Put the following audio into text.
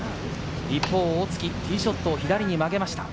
一方、大槻、ティーショットを左に曲げました。